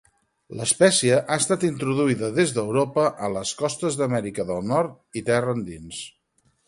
L'espècie ha estat introduïda des d'Europa a les costes d'Amèrica del Nord i terra endins.